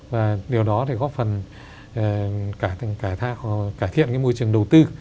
và điều đó thì góp phần cải thiện cái môi trường đầu tư